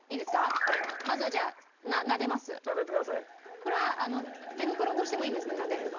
これは手袋越しでもいいんですねなでれば。